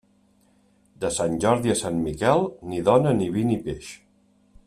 De Sant Jordi a Sant Miquel, ni dóna ni vi ni peix.